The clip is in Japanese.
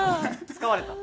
使われた。